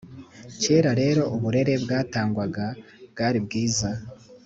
Kera rero uburere bwatangagwa bwari bwiza